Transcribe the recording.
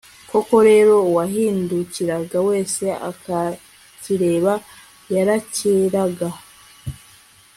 koko rero, uwahindukiraga wese akakireba yarakiraga